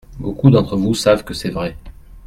Beaucoup d’entre nous savent que c’est vrai.